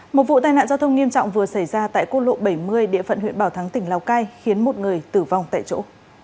một vụ tai nạn giao thông nghiêm trọng vừa xảy ra tại quốc lộ bảy mươi địa phận huyện bảo thắng tỉnh lào cai khiến một người tử vong tại chỗ